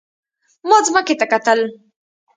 ما ځمکې ته کتل.